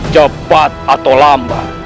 cepat atau lambat